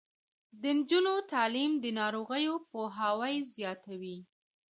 د نجونو تعلیم د ناروغیو پوهاوي زیاتوي.